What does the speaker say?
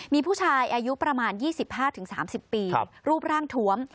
มีผู้ชายอายุประมาณ๒๕๓๐ปีรูปร่างถวม